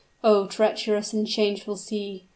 Oh, treacherous and changeful sea!